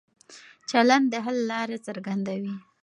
چلن د حل لاره څرګندوي.